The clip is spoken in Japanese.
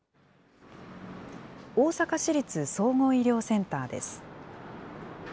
大阪市立総合医療センターです。